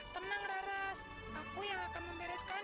padahal aku udah mantul